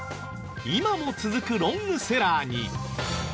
今も続くロングセラーに。